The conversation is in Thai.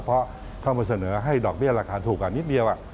เพราะเข้ามาเสนอให้ดอกเบี้ยราคาถูกกว่านิดเดียว